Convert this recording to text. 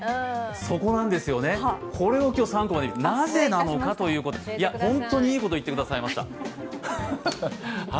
そこなんですよね、これを今日３コマでなぜなのかということを、本当にいいことを言ってくださいました。